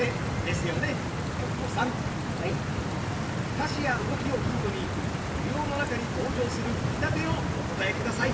歌詞や動きをヒントに舞踊の中に登場する見立てをお答えください。